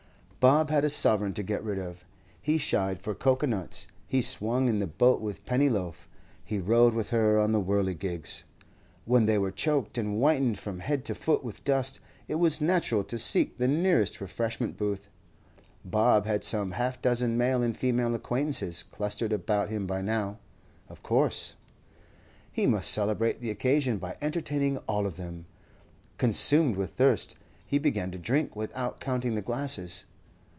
Bob had a sovereign to get rid of. He shied for cocoa nuts, he swung in the boat with Pennyloaf, he rode with her on the whirligigs. When they were choked, and whitened from head to foot, with dust, it was natural to seek the nearest refreshment booth. Bob had some half dozen male and female acquaintances clustered about him by now; of course. He must celebrate the occasion by entertaining all of them. Consumed with thirst, he began to drink without counting the glasses.